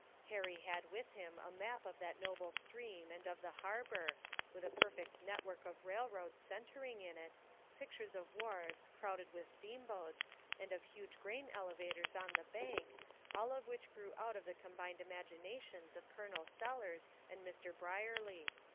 Harry had with him a map of that noble stream and of the harbor, with a perfect net work of railroads centering in it, pictures of wharves, crowded with steamboats, and of huge grain elevators on the bank, all of which grew out of the combined imaginations of Col. Sellers and Mr. Brierly.